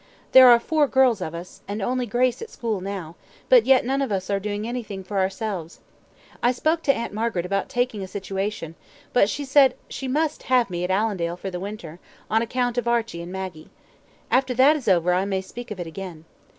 There are four girls of us, and only Grace at school now, but yet none of us are doing anything for ourselves. I spoke to Aunt Margaret about taking a situation, but she said she must have me at Allendale for the winter, on account of Archie and Maggie. After that is over, I may speak of it again.